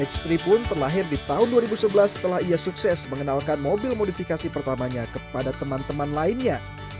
h tiga pun terlahir di tahun dua ribu sebelas setelah ia sukses mengenalkan mobil modifikasi pertamanya kepada teman teman lainnya